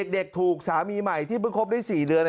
เด็กถูกสามีใหม่ที่เพิ่งคบได้๔เดือน